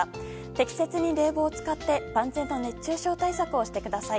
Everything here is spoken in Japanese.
適切に冷房を使って万全の熱中症対策をしてください。